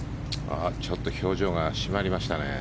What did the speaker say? ちょっと表情が締まりましたね。